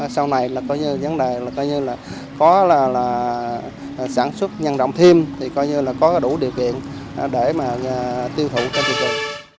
sau này là coi như vấn đề là coi như là có là sản xuất nhân rộng thêm thì coi như là có đủ điều kiện để mà tiêu thụ cho thị trường